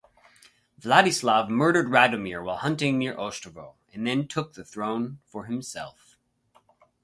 Vladislav murdered Radomir while hunting near Ostrovo, and then took the throne for himself.